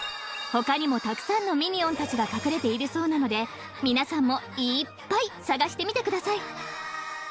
［他にもたくさんのミニオンたちが隠れているそうなので皆さんもいーっぱい探してみてください］